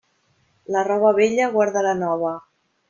La roba vella guarda la nova.